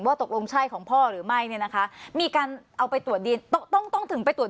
ตกลงใช่ของพ่อหรือไม่เนี่ยนะคะมีการเอาไปตรวจดีนต้องต้องถึงไปตรวจ